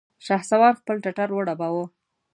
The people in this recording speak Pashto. شهسوار خپل ټټر وډباوه!